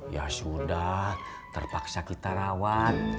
ya sudah terpaksa kita rawat